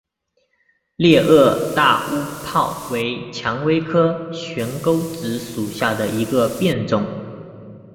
裂萼大乌泡为蔷薇科悬钩子属下的一个变种。